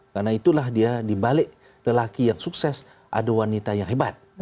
karena itulah dia dibalik lelaki yang sukses ada wanita yang hebat